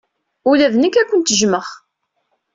Ula d nekk ad kent-jjmeɣ.